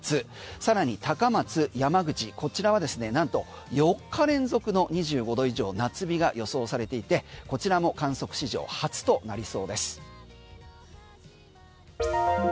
さらに高松、山口こちらはなんとなんと４日連続の２５度以上夏日が予想されていてこちらも観測史上初となりそうです。